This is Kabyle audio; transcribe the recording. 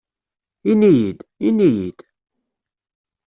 Ini-iyi-d, ini-iyi-d.